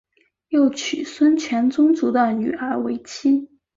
又娶孙权宗族的女儿为妻。